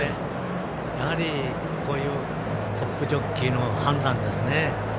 やはり、こういうトップジョッキーの判断ですね。